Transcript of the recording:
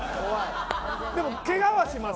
でも、けがはします。